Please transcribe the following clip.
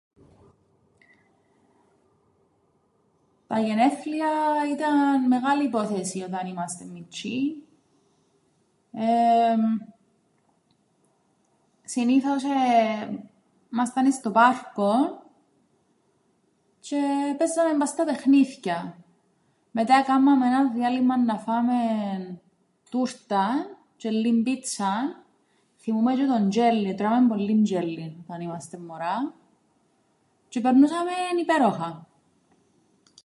Τα γενέθλια ήταν μεγάλη υπόθεση όταν ήμαστε μιτσ̆ιοί. Συνήθως εεε ήμασταν εις στο πάρκον τζ̆αι επαίζαμεν πά' στα παιχνίθκια, μετά εκάμμαμεν έναν διάλειμμαν να φάμεν τούρταν, τζ̆αι λλίην πίτσαν, θθυμούμαι τζ̆αι το ντζ̆έλλιν, ετρώαμεν πολλύν ντζ̆έλλιν όταν ήμαστεν μωρά, τζ̆αι επερνούσαμεν υπέροχα.